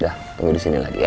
jangan nunggu disini lagi ya